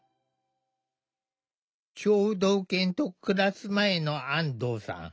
聴導犬と暮らす前の安藤さん。